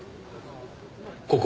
ここ。